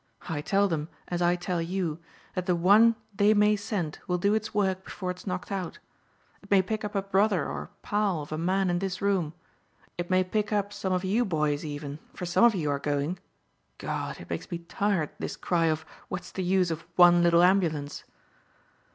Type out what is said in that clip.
I tell them as I tell you that the one they may send will do its work before it's knocked out. It may pick up a brother or pal of a man in this room. It may pick up some of you boys even, for some of you are going. God, it makes me tired this cry of what's the use of 'one little ambulance.